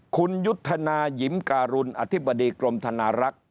คุณยุทธนายิมการุณอธิบดีกรมธนารักษ์